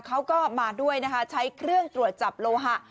เขาก็มาด้วยนะคะใช้เครื่องตรวจจับโลหะ